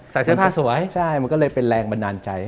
เสื้อผ้าสวยใช่มันก็เลยเป็นแรงบันดาลใจ